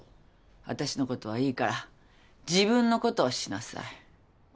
あたしのことはいいから自分のことをしなさい。